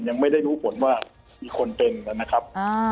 ยังไม่ได้รู้ผลว่ามีคนเป็นนะครับ